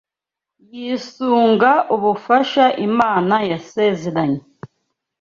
yisunga ubufasha Imana yasezeranye